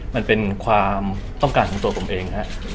มันเป็นความต้องการของตัวผมเองฮะ